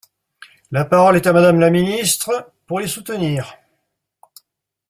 La parole est à Madame la ministre, pour les soutenir.